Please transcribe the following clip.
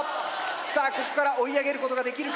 さあここから追い上げることができるか？